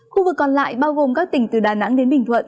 khu vực còn lại bao gồm các tỉnh từ đà nẵng đến bình thuận